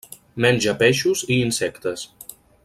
Menja peixos i insectes.